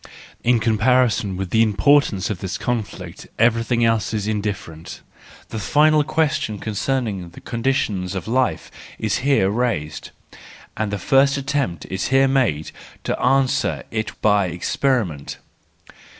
In comparison with the importance of this conflict everything else is indifferent; the final question concerning the con¬ ditions of life is here raised, and the first attempt is here made to answer it by experiment.